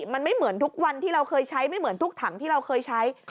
มันไม่เหมือนทุกวันที่เราเคยใช้ไม่เหมือนทุกถังที่เราเคยใช้